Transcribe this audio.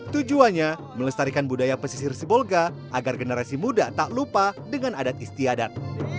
tujuannya melestarikan budaya pesisir sibolga agar generasi muda tak lupa dengan adat istiadat